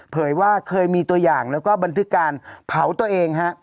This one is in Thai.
ว่าเคยมีตัวอย่างแล้วก็บันทึกการเผาตัวเองฮะ